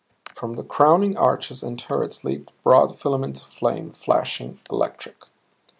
From the crowning arches and turrets leaped broad filaments of flame, flashing, electric.